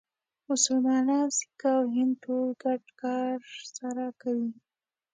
مسلمان، سیکه او هندو ټول ګډ کار سره کوي.